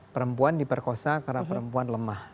perempuan diperkosa karena perempuan lemah